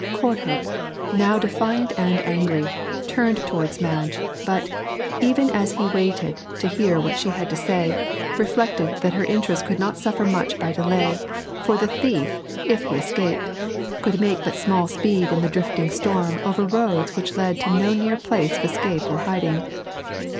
Courthope, now defiant and angry, turned towards Madge, but, even as he waited to hear what she had to say, reflected that her interest could not suffer much by delay, for the thief, if he escaped, could make but small speed in the drifting storm over roads which led to no near place of escape or hiding.